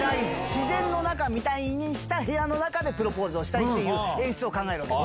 自然の中みたいにした部屋の中でプロポーズをしたいっていう演出を考えたの。